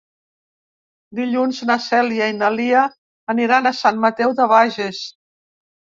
Dilluns na Cèlia i na Lia aniran a Sant Mateu de Bages.